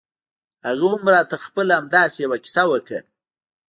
هغه هم راته خپله همداسې يوه کيسه وکړه.